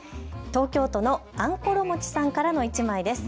東京都のあんころもちさんからの１枚です。